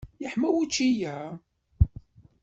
Yeḥma wučči-a?